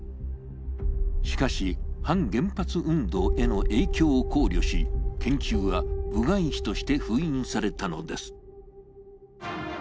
しかし、反原発運動への影響を考慮し研究は部外秘として封印されたのです。